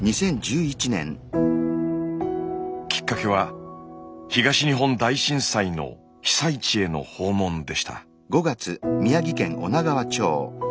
きっかけは東日本大震災の被災地への訪問でした。